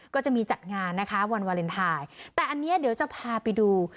ก็จะมีจัดงานนะคะวันวาเลนไทยแต่อันนี้เดี๋ยวจะพาไปดู